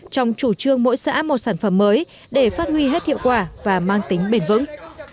trong chủ trương mỗi xã một sản phẩm mới để phát huy hết hiệu quả và mang tính bền vững